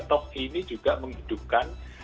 tok ini juga menghidupkan